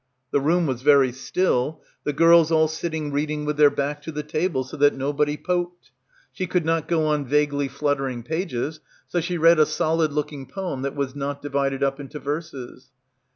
The room was very still, the girls all sitting reading with their back to the table so that nobody "poked." She could not go on vaguely fluttering pages, so she read a solid looking poem that was not divided up into verses.